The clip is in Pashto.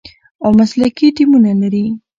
او مسلکي ټیمونه لري،